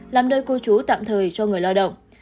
làm nơi cô chú tạm thời cho người lao động